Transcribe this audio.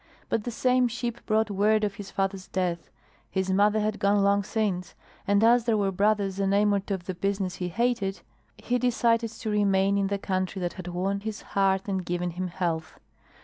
But the same ship brought word of his father's death his mother had gone long since and as there were brothers enamored of the business he hated, he decided to remain in the country that had won his heart and given him health.